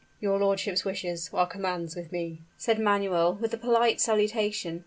"Your lordship's wishes are commands with me," said Manuel, with a polite salutation.